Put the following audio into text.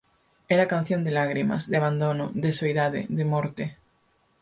Era canción de lágrimas, de abandono, de soidade, de morte.